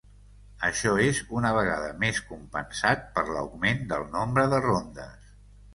Això és una vegada més compensat per l'augment del nombre de rondes.